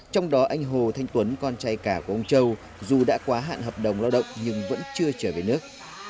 trong đó anh hồ thanh tuấn con trai cả của ông châu dù đã quá hạn hợp đồng lao động nhưng vẫn chưa trở về nước